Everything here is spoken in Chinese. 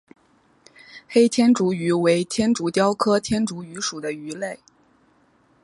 黑天竺鱼为天竺鲷科天竺鱼属的鱼类。